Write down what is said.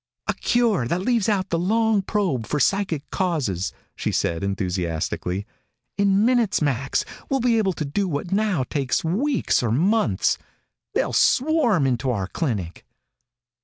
"A cure that leaves out the long probe for psychic causes," she said enthusiastically. "In minutes, Max, we'll be able to do what now takes weeks or months. They'll swarm into our clinic."